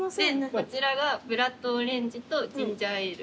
こちらがブラッドオレンジとジンジャーエール。